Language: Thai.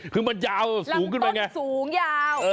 คือมันยาวสูงขึ้นไปไงสูงยาว